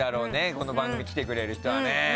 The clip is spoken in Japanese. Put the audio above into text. この番組来てくれる人はね。